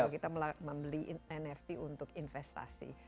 karena kita membeli nft untuk investasi